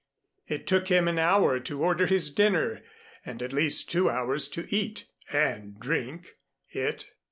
It took him an hour to order his dinner, and at least two hours to eat (and drink) it.